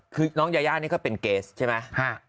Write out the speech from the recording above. คือน้องยายานี่ก็เป็นเกสใช่ไหม